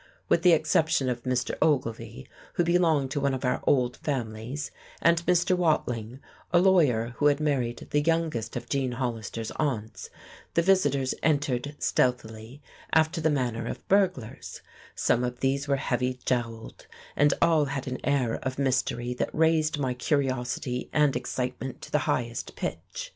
With the exception of Mr. Ogilvy, who belonged to one of our old families, and Mr. Watling, a lawyer who had married the youngest of Gene Hollister's aunts, the visitors entered stealthily, after the manner of burglars; some of these were heavy jowled, and all had an air of mystery that raised my curiosity and excitement to the highest pitch.